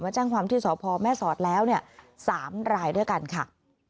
แจ้งความที่สพแม่สอดแล้ว๓รายด้วยกันค่ะ